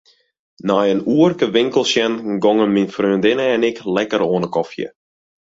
Nei in oerke winkels sjen gongen myn freondinne en ik lekker oan 'e kofje.